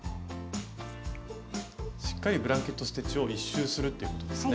しっかりブランケット・ステッチを１周するっていうことですね。